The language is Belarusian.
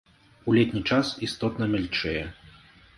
У летні час істотна мяльчэе.